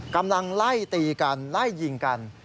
กำลังไล่ตีกันไล่ยิงกัน